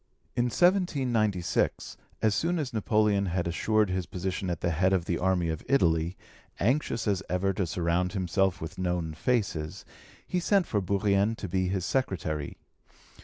In 1796, as soon as Napoleon had assured his position at the head of the army of Italy, anxious as ever to surround himself with known faces, he sent for Bourrienne to be his secretary.